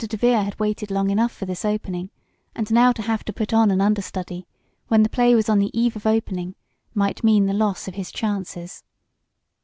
DeVere had waited long enough for this opening, and now to have to put on an understudy when the play was on the eve of opening, might mean the loss of his chances.